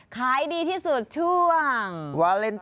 ขายดีที่สุดช่วงวาเลนไทย